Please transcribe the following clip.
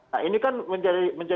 nah ini kan menjadi isu pemerintah